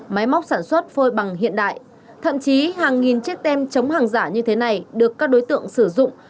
máy móc sản xuất phôi bằng hiện đại thậm chí hàng nghìn chiếc tem chống hàng giả như thế này được các đối tượng sử dụng